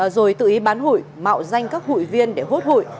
rồi tự ý bán hụi mạo danh các hụi viên để hốt hụi